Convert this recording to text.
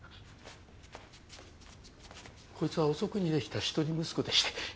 コイツは遅くにできた一人息子でして。